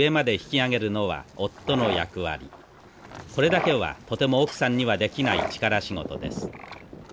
それだけはとても奥さんにはできない力仕事です。